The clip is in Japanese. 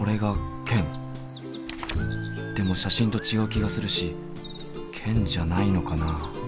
でも写真と違う気がするしケンじゃないのかな？